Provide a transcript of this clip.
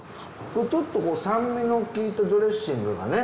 ちょっとこう酸味の効いたドレッシングがね